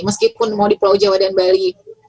meskipun mau di pulau jawa dan bali